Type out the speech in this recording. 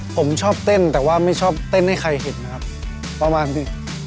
ผมชอบเต้นแต่ว่าไม่ชอบเต้นให้ใครเห็นนะครับประมาณสิ